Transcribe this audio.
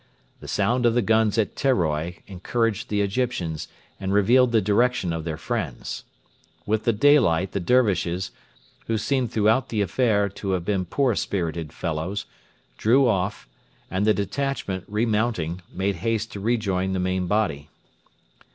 The sound of the guns at Teroi encouraged the Egyptians and revealed the direction of their friends. With the daylight the Dervishes, who seem throughout the affair to have been poor spirited fellows, drew off, and the detachment, remounting, made haste to rejoin the main body.